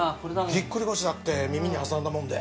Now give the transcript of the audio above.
ぎっくり腰だって耳に挟んだもんで。